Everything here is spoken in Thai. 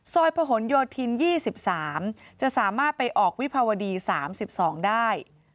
พะหนโยธิน๒๓จะสามารถไปออกวิภาวดี๓๒ได้